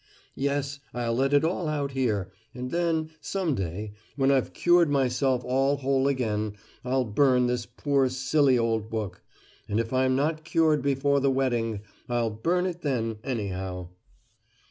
Yes, I'll let it all out here, and then, some day, when I've cured myself all whole again, I'll burn this poor, silly old book. And if I'm not cured before the wedding, I'll burn it then, anyhow.